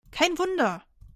Kein Wunder!